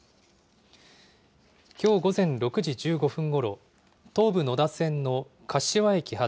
きょう午前６時１５分ごろ、東武野田線の柏駅発